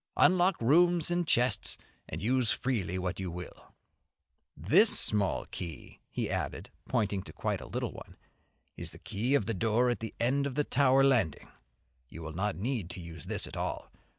Unlock rooms and chests and use freely what you will." "This small key," he added, pointing to quite a little one, "is the key of the door at the end of the lower landing, you will not need to use this at all.